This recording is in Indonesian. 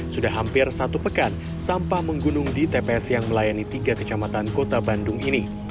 sudah hampir satu pekan sampah menggunung di tps yang melayani tiga kecamatan kota bandung ini